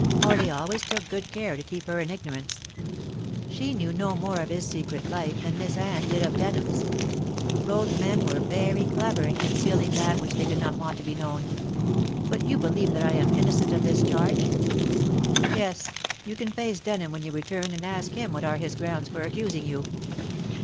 Morley always took good care to keep her in ignorance. She knew no more of his secret life than Miss Anne did of Denham's. Both men were very clever in concealing that which they did not want to be known. But you believe that I am innocent of this charge?" "Yes. You can face Denham when you return and ask him what are his grounds for accusing you."